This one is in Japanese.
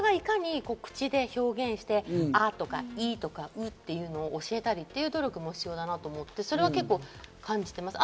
母親がいかに口で表現して、「あ」とか「い」とかっていうのを教えたりっていう努力も必要だと思って、それは結構感じてます。